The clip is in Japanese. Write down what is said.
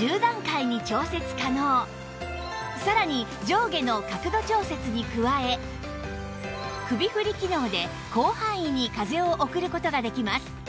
さらに上下の角度調節に加え首振り機能で広範囲に風を送る事ができます